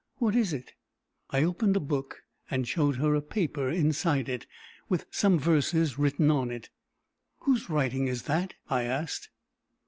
"What is it?" I opened a book, and showed her a paper inside it, with some verses written on it. "Whose writing is that?" I asked.